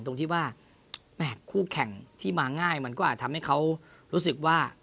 ตรงที่ว่าคู่แข่งที่มาง่ายมันก็อาจทำให้เขารู้สึกว่า